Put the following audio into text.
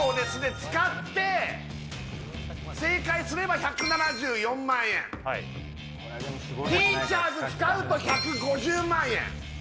使って正解すれば１７４万円ティーチャーズ使うと１５０万円